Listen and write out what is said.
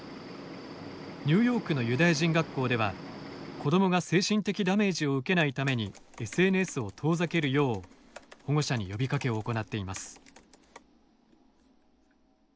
ニューヨークのユダヤ人学校では子どもが精神的ダメージを受けないためにＳＮＳを遠ざけるよう保護者に呼びかけを行っています。